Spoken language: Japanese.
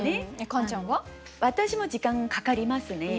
私も時間かかりますね。